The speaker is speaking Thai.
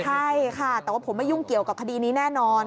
ใช่ค่ะแต่ว่าผมไม่ยุ่งเกี่ยวกับคดีนี้แน่นอน